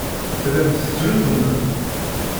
Tellam tettnuddumem.